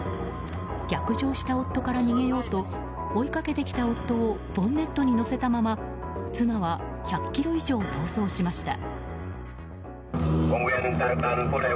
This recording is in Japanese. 逆上した夫から逃げようと追いかけてきた夫をボンネットに乗せたまま妻は１００ｋｍ以上逃走しました。